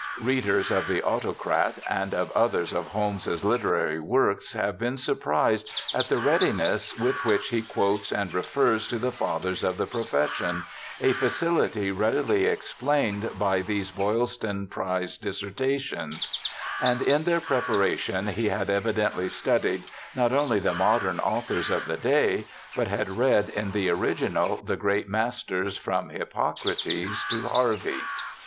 Readers of the Auto crat and of others of Holmes's literary works have been surprised at the readiness with which he quotes and refers to the fathers of the profession, a facility readily explained by these Boylston prize dissertations ; and in their preparation he had evidently studied not only the modern authors of the day, but had read in the original the great masters from Hippocrates to Harvey.